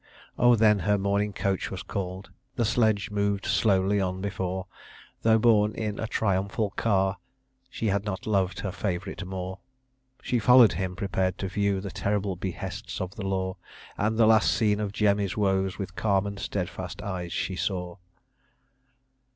O, then her mourning coach was call'd; The sledge moved slowly on before; Though borne in a triumphal car, She had not loved her favourite more. She follow'd him, prepared to view The terrible behests of law; And the last scene of Jemmy's woes, With calm and steadfast eyes she saw.